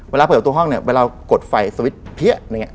เวลาเปิดประตูห้องเนี่ยเวลากดไฟสวิตช์เพี้ยอะไรอย่างนี้